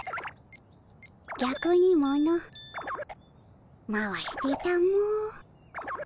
ぎゃくにもの回してたも。